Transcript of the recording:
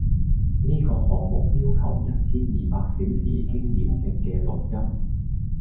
呢個項目要求一千二百小時經驗証嘅錄音